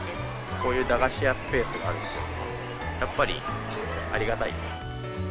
こういう駄菓子屋スペースがあるって、やっぱりありがたい。